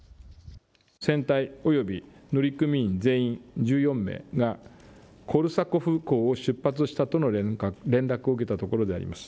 船体および乗組員全員が、コルサコフ港を出発したとの連絡を受けたところであります。